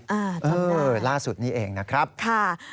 ทำได้ล่าสุดนี้เองนะครับค่ะ